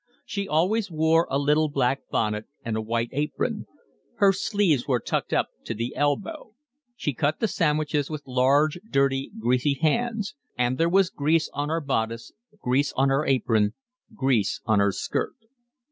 She always wore a little black bonnet and a white apron; her sleeves were tucked up to the elbow; she cut the sandwiches with large, dirty, greasy hands; and there was grease on her bodice, grease on her apron, grease on her skirt.